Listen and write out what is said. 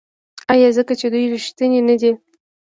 آیا ځکه چې دوی ریښتیني نه دي؟